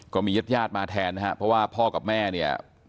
ก็มีญาติญาติมาแทนนะครับเพราะว่าพ่อกับแม่เนี่ย